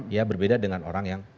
ya berbeda dengan orang yang